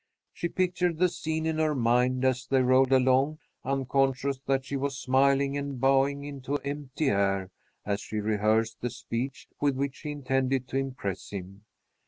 She pictured the scene in her mind as they rolled along, unconscious that she was smiling and bowing into empty air, as she rehearsed the speech with which she intended to impress him.